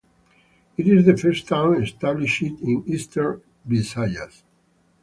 It is the first town established in Eastern Visayas.